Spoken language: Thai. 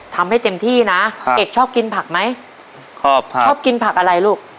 ทำให้เต็มที่นะครับเอกชอบกินผักไหมชอบผักชอบกินผักอะไรลูก